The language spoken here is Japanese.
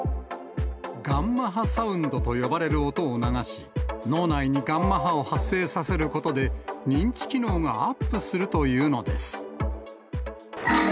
ガンマ波サウンドと呼ばれる音を流し、脳内にガンマ波を発生させることで、認知機能がアップするというのです。